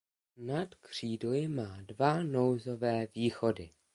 Nad křídly má dva nouzové východy.